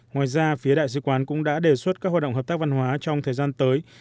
ngoài ra phía đại sứ quán cũng đã đề xuất các hoạt động hợp tác văn hóa trong thời gian tới